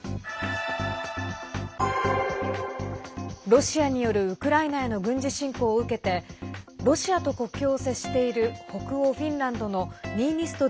ロシアによるウクライナへの軍事侵攻を受けてロシアと国境を接している北欧フィンランドのニーニスト